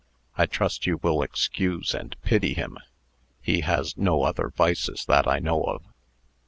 I trust you will excuse and pity him. He has no other vices that I know of."